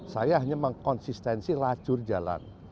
saya hanya mengkonsistensi lajur jalan